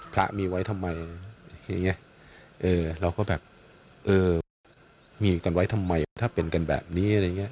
พระมีไว้ทำไมเราก็แบบเออมีกันไว้ทำไมถ้าเป็นกันแบบนี้